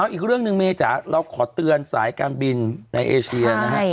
อีกเรื่องหนึ่งเมจ๋าเราขอเตือนสายการบินในเอเชียนะฮะ